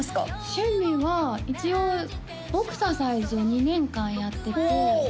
趣味は一応ボクササイズを２年間やっててほお！